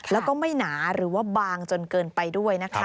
แล้วก็ไม่หนาหรือว่าบางจนเกินไปด้วยนะคะ